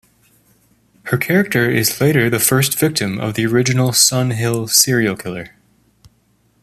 Her character is later the first victim of the original Sun Hill Serial Killer.